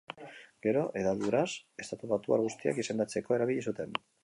Gero, hedaduraz, estatubatuar guztiak izendatzeko erabili zuten.